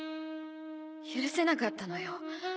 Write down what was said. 許せなかったのよ。